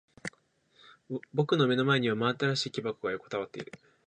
僕の目の前には真新しい木箱が横たわっている。